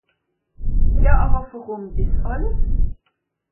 Ja àwer wùrùm dìs àlles ?